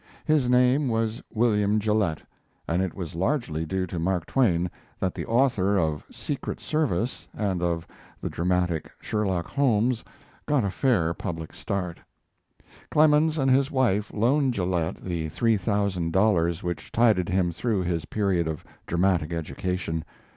His name was William Gillette, and it was largely due to Mark Twain that the author of Secret Service and of the dramatic "Sherlock Holmes" got a fair public start. Clemens and his wife loaned Gillette the three thousand dollars which tided him through his period of dramatic education.